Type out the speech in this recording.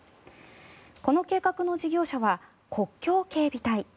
この計画の事業者は国境警備隊。